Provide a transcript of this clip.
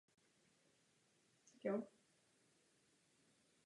Z Číny.